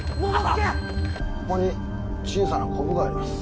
ここに小さなこぶがあります。